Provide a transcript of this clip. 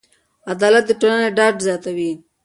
عدالت د ټولنې ډاډ زیاتوي.